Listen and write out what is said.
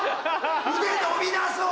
腕伸びなそう！